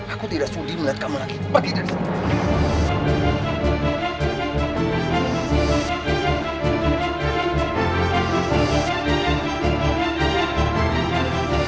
aku tidak sudi melihat kamu lagi pergi dari sini